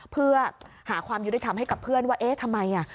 เพื่อหาความยุติธรรมให้กับเพื่อนว่าเอ๊ะทำไม